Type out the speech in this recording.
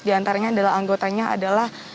diantaranya adalah anggotanya adalah